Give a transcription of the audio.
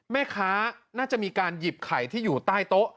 แม่ค้าน่าจะมีการหยิบไข่ที่อยู่ใต้โต๊ะ